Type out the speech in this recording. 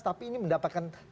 tapi ini mendapatkan tanggapan